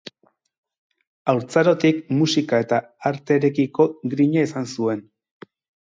Haurtzarotik musika eta arterekiko grina izan zuen.